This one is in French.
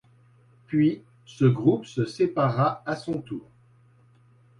Puis, ce groupe se sépara à son tour.